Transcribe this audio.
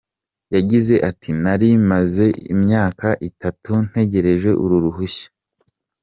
Yagize ati “Narimaze imyaka itatu ntegereje uru ruhushya.